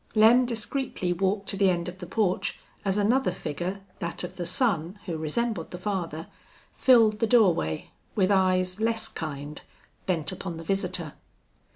Lem discreetly walked to the end of the porch as another figure, that of the son who resembled the father, filled the doorway, with eyes less kind, bent upon the visitor.